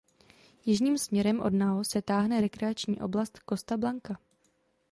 Jižním směrem od Nao se táhne rekreační oblast Costa Blanca.